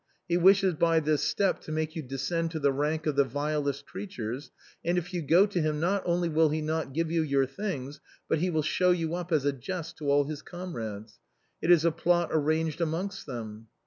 He wishes by this step to make you descend to the rank of the vilest creatures, and if you go to him not only will he not give you your things, but he will show you up as a jest to all his comrades. It is a plot arranged amongst them."